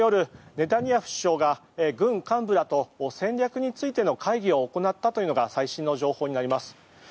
ネタニヤフ首相が軍幹部らと戦略についての会議を行ったというのが最新の情報になります。